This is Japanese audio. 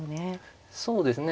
そうですね。